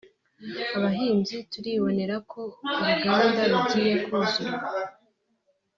Abahinzi turibonera ko uruganda rugiye kuzura